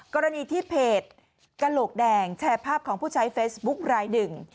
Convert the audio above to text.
กรณีที่เพจกระโหลกแดงแชร์ภาพของผู้ใช้เฟซบุ๊คลายหนึ่ง